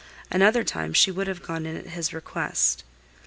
Another time she would have gone in at his request.